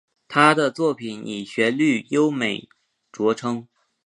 他的作品以旋律优美着称。